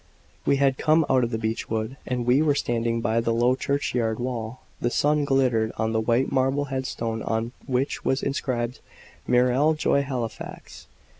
We had come out of the beech wood and were standing by the low churchyard wall; the sun glittered on the white marble head stone on which was inscribed, "Muriel Joy Halifax."